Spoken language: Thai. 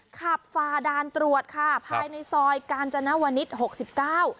ฝ่าด่านตรวจค่ะภายในซอยกาญจนวนิษฐ์หกสิบเก้า